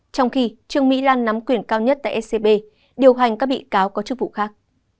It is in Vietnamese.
trong khi trương mỹ lan nắm quyền cao nhất tại ecb điều hành các bị cáo có chức vụ khác